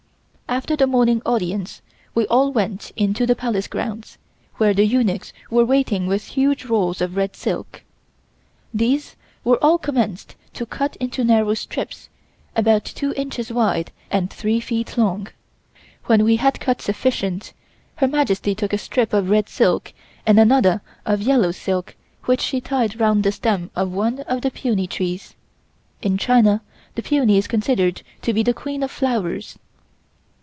After the morning audience we all went into the Palace grounds, where the eunuchs were waiting with huge rolls of red silk. These we all commenced to cut into narrow strips about two inches wide and three feet long. When we had cut sufficient Her Majesty took a strip of red silk and another of yellow silk which she tied round the stem of one of the peony trees (in China the peony is considered to be the queen of flowers).